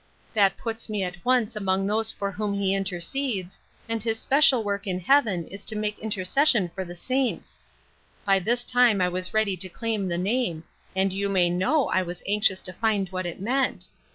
'' That puts me at once among those for whom he intercedes, and liis special work ^n heaven is to make interces sion for the saints. By this time I was ready to claim the name, and you may know I was anx ious to find what it meant.